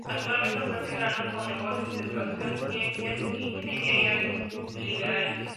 Actualmente ofrece grados en negocios, educación, ciencias, ingeniería y artes liberales.